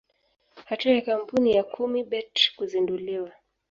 Hatua ya kampuni ya kumi bet kuzinduliwa